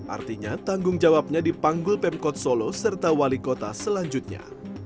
artinya tanggung jawabnya dipanggul pemkot solo serta wali kota selanjutnya